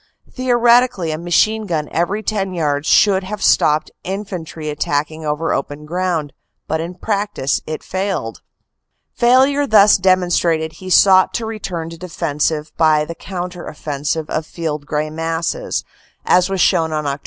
Theoretically a machine gun every ten yards should have stopped infantry attacking over open ground but in practice it failed. Failure thus demonstrated he sought to return to defense by the counter offensive of field gray masses, as was shown on Oct.